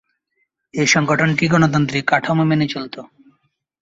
এই সংগঠনটি গণতান্ত্রিক কাঠামো মেনে চলত।